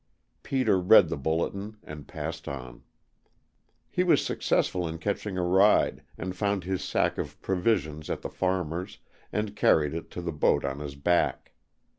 Peter read the bulletin, and passed on. He was successful in catching a ride, and found his sack of provisions at the farmer's and carried it to the boat on his back.